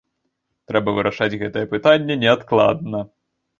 Трэба вырашаць гэтае пытанне неадкладна.